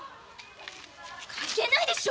関係ないでしょ。